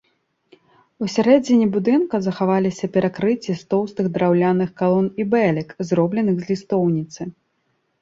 Усярэдзіне будынка захаваліся перакрыцці з тоўстых драўляных калон і бэлек, зробленых з лістоўніцы.